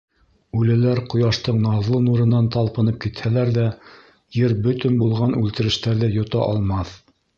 Үлеләр ҡояштың наҙлы нурынан талпынып китһәләр ҙә, ер бөтөн булған үлтерештәрҙе йота алмаҫ.